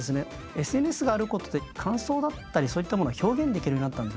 ＳＮＳがあることで感想だったりそういったものを表現できるようになったんですね。